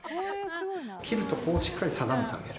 斬る所をしっかり定めてあげる。